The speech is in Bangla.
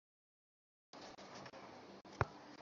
কিছুক্ষণ বিশ্রাম নাও।